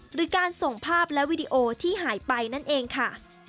หรือการส่งภาพและวิดีโอที่หายไปนั่นเองค่ะ